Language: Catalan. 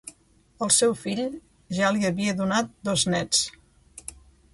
El seu fill ja li havia donat dos néts.